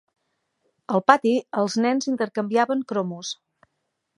Al pati, els nens intercanviaven cromos.